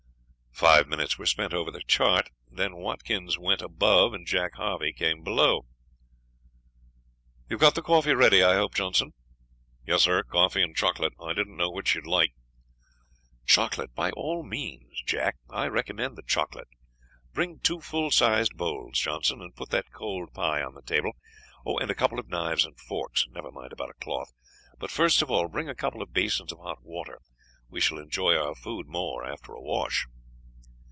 Five minutes were spent over the chart, then Watkins went above and Jack Harvey came below. "You have got the coffee ready, I hope, Johnson?" "Yes, sir, coffee and chocolate. I didn't know which you would like." "Chocolate, by all means. Jack, I recommend the chocolate. Bring two full sized bowls, Johnson, and put that cold pie on the table, and a couple of knives and forks; never mind about a cloth; but first of all bring a couple of basins of hot water, we shall enjoy our food more after a wash."